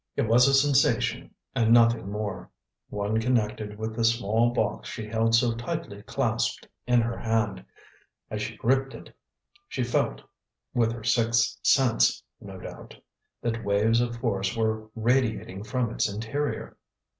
It was a sensation and nothing more: one connected with the small box she held so tightly clasped in her hand. As she gripped it, she felt with her sixth sense, no doubt that waves of force were radiating from its interior.